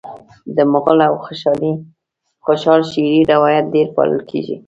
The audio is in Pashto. د مغل او خوشحال شعري روایت ډېر پالل کیږي